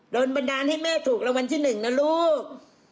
โดนบันดาลให้แม่ถูกละวันที่หนึ่งน่ะลูก